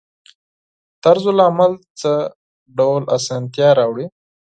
طرزالعمل څه ډول اسانتیا راوړي؟